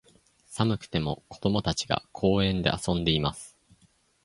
寒くても、子供たちが、公園で遊んでいます。